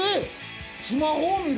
「スマホを見る」